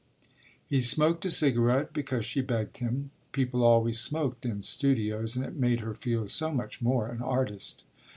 He smoked a cigarette because she begged him people always smoked in studios and it made her feel so much more an artist.